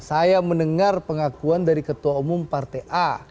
saya mendengar pengakuan dari ketua umum partai a